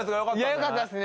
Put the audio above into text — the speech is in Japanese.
よかったですね。